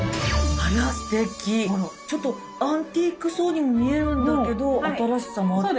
ちょっとアンティークそうにも見えるんだけど新しさもあって。